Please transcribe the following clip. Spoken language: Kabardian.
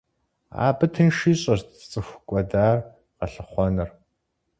Абы тынш ищӏырт цӏыху кӏуэдар къэлъыхъуэныр.